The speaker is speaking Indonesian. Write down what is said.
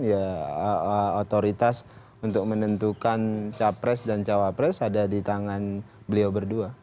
ya otoritas untuk menentukan capres dan cawapres ada di tangan beliau berdua